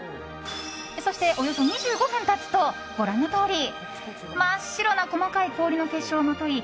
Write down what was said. そして、およそ２５分経つとご覧のとおり真っ白な細かい氷の結晶をまとい